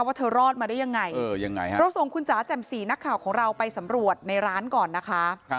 ว่าเธอรอดมาได้ยังไงเราส่งคุณจ๋าแจ่มสีนักข่าวของเราไปสำรวจในร้านก่อนนะคะ